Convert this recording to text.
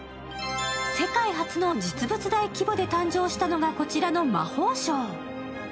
世界初の実物大規模で誕生したのが、こちらの魔法省。